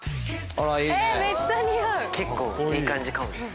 結構いい感じかも。